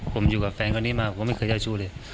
ผมอยู่กับแฟนคนนี้มาผมก็ไม่เคยเจ้าชู้เลย